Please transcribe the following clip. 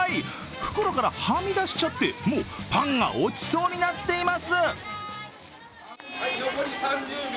袋からはみ出しちゃって、もうパンが落ちそうになっています。